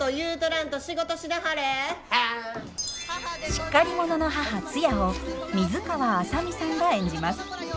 しっかり者の母ツヤを水川あさみさんが演じます。